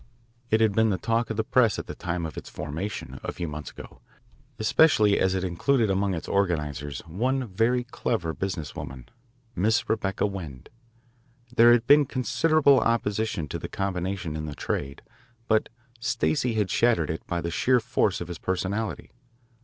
It had been the talk of the press at the time of its formation, a few months ago, especially as it included among its organisers one very clever business woman, Miss Rebecca Wend. There had been considerable opposition to the combination in the trade, but Stacey had shattered it by the sheer force of his personality.